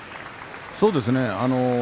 そうですね。